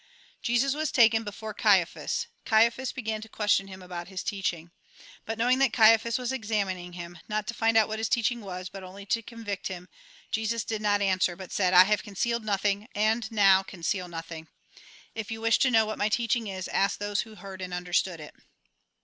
Jesus was taken before Caiaphas. Caiaphas began to question him about his teaching. But knowing that Caiapha.s was examining him, not to find out what his teaching was, but only to convict him, Jesus did not answer, but said :" I have con cealed nothing, and now conceal nothing. If you wish to know what my teaching is, ask those who heard and understood it."